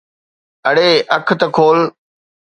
اڙي اک تہ کول.